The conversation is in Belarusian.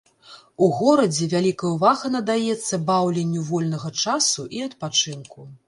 У горадзе вялікая ўвага надаецца баўленню вольнага часу і адпачынку.